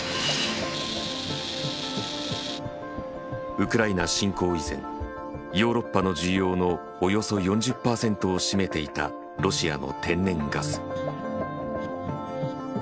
ウクライナ侵攻以前ヨーロッパの需要のおよそ４０％を占めていたロシアの天然ガス。